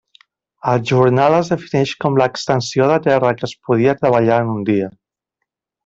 El jornal es defineix com l'extensió de terra que es podia treballar en un dia.